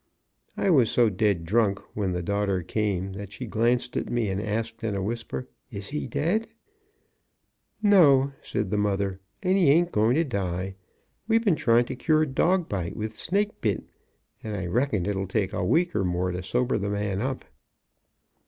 I was so dead drunk when the daughter came that she glanced at me and asked in a whisper, "Is he dead?" "No," said the mother, "and he ain't going to die. We've been trying to cure dog bite with 'snake bit', and I reckon it'll take a week or more to sober the man up."